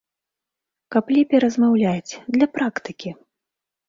Каб лепей размаўляць, для практыкі!